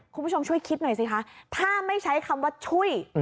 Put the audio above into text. คุณผู้ชมช่วยคิดหน่อยสิคะถ้าไม่ใช้คำว่าช่วย